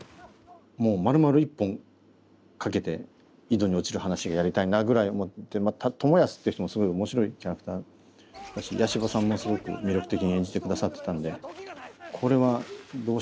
もうまるまる１本かけて井戸に落ちる話がやりたいなぐらい思ってまた知康って人もすごい面白いキャラクターだし矢柴さんもすごく魅力的に演じてくださってたんでこれはどうしても描こう。